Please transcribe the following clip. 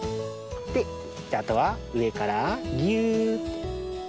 じゃあとはうえからぎゅ。